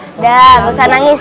udah gak usah nangis